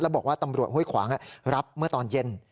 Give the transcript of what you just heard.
บอกว่าตำรวจห้วยขวางรับเมื่อตอนเย็น